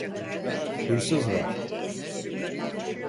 Hırsız var!